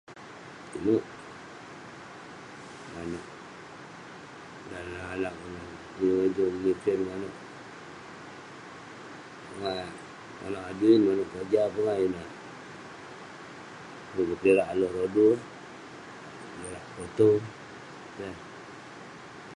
Inouk, [unintelligible] memiken manouk- manouk adui, manouk keroja. Pongah ineh juk kelak ale' rodu, kelak potew. Keh.